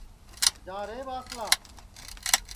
جا رے ٻاسلا